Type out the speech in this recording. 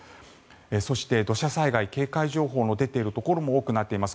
そして、土砂災害警戒情報も出ているところが多くなっています。